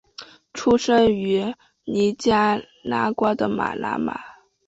出生于尼加拉瓜的马拿瓜。